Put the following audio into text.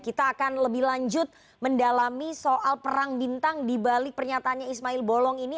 kita akan lebih lanjut mendalami soal perang bintang dibalik pernyataannya ismail bolong ini